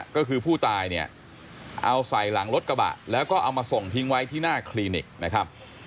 ก็คือผู้ตายเนี่ยเอาใส่หลังรถกระบะแล้วก็เอามาส่งทิ้งไว้ที่หน้าคลินิกนะครับ